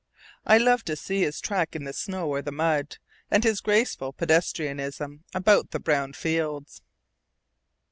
I love to see his track in the snow or the mud, and his graceful pedestrianism about the brown fields.